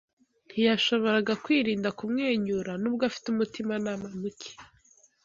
Ntiyashoboraga kwirinda kumwenyura, nubwo afite umutimanama mucye.